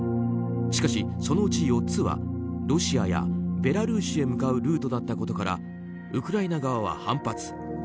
しかし、そのうち４つはロシアやベラルーシへ向かうルートだったことからウクライナ側は反発。